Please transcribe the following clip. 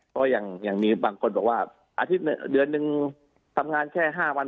เพราะอย่างมีบางคนบอกว่าอาทิตย์เดือนหนึ่งทำงานแค่๕วัน